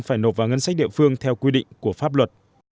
phải nộp vào ngân sách địa phương theo quy định của pháp luật